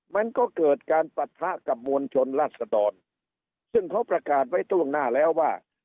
มันก็เกิดการปะทะกับมวลชนรัศดรซึ่งเขาประกาศไว้ล่วงหน้าแล้วว่า